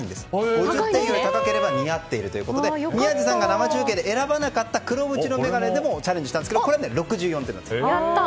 ５０点より高ければ似合っているということで宮司さんが生中継で選ばなかった黒縁の眼鏡でもチャレンジしたんですがこれは６４点だった。